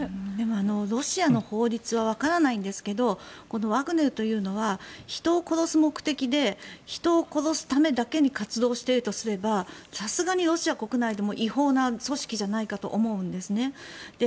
ロシアの法律はわからないんですけどワグネルというのは人を殺す目的で人を殺すためだけに活動しているとすればさすがにロシア国内でも違法な組織じゃないかと思うんですね。